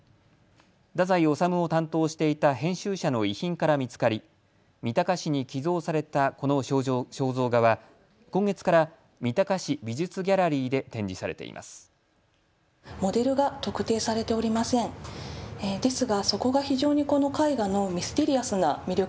太宰治を担当していた編集者の遺品から見つかり三鷹市に寄贈されたこの肖像画は今月から三鷹市美術ギャラリーで展示されています。